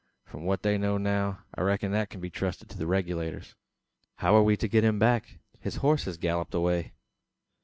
From what they know now, I reck'n that kin be trusted to the Regulators." "How are we to get him back? His horse has galloped away!"